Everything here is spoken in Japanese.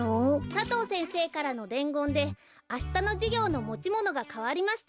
佐藤先生からのでんごんであしたのじゅぎょうのもちものがかわりました。